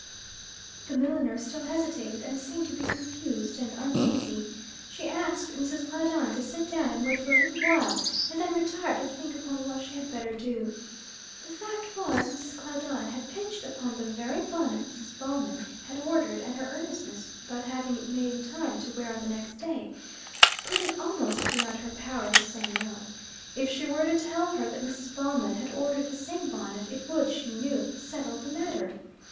The milliner still hesitated, and seemed to be confused and uneasy. She asked Mrs. Claudine to sit down and wait for a little while, and then retired to think upon what she had better do. The fact was, Mrs. Claudine had pitched upon the very bonnet Mrs. Ballman had ordered, and her earnestness about having it made in time to wear on the next day, put it almost beyond her power to say no. If she were to tell her that Mrs. Ballman had ordered the same bonnet, it would, she knew, settle the matter.